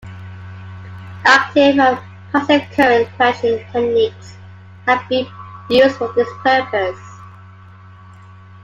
Active and passive current-quenching techniques have been used for this purpose.